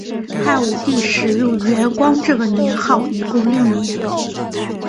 汉武帝使用元光这个年号一共六年。